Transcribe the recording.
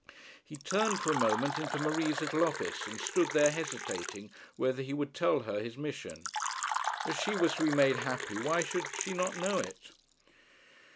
He turned for a moment into Marie's little office, and stood there hesitating whether he would tell her his mission. As she was to be made happy, why should she not know it?